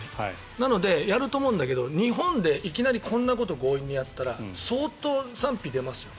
なので、やると思うんだけど日本でいきなりこんなことを強引にやったら相当、賛否出ますよ。